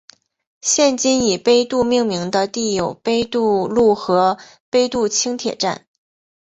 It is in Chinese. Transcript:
现今以杯渡命名的地有杯渡路和杯渡轻铁站。